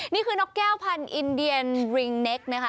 นี่คือนกแก้วพันธุ์อินเดียนริงเนคนะคะ